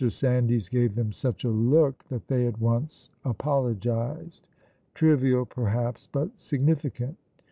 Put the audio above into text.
Sandys gave them such a look that they at once apologized. Trivial, perhaps, but significant.